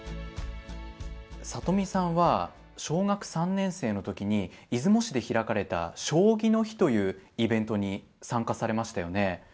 里見さんは小学３年生の時に出雲市で開かれた「将棋の日」というイベントに参加されましたよね。